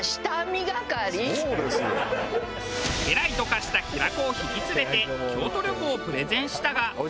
家来と化した平子を引き連れて京都旅行をプレゼンしたが。